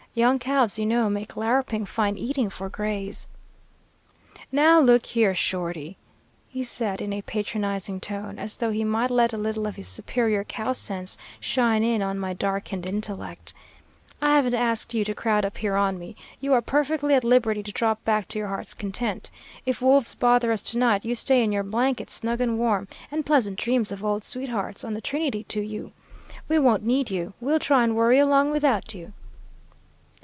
Young calves, you know, make larruping fine eating for grays.' "'Now, look here, Shorty,' he said in a patronizing tone, as though he might let a little of his superior cow sense shine in on my darkened intellect, 'I haven't asked you to crowd up here on me. You are perfectly at liberty to drop back to your heart's content. If wolves bother us to night, you stay in your blankets snug and warm, and pleasant dreams of old sweethearts on the Trinity to you. We won't need you. We'll try and worry along without you.'